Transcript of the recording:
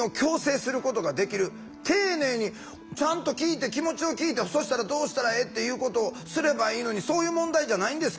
丁寧にちゃんと聞いて気持ちを聞いてそしたらどうしたらええっていうことをすればいいのにそういう問題じゃないんですか？